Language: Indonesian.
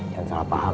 jangan salah paham